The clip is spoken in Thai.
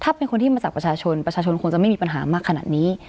ถ้าเป็นคนที่มาจากประชาชนประชาชนคงจะไม่มีปัญหามากขนาดนี้